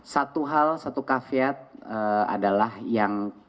satu hal satu kafiat adalah yang